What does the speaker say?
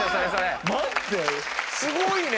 すごいね。